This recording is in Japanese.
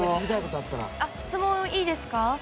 質問いいですか。